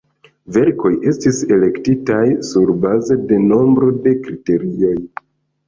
Verkoj estis elektitaj surbaze de nombro de kriterioj.